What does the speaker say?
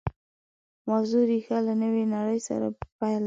موضوع ریښه له نوې نړۍ سره پیل ده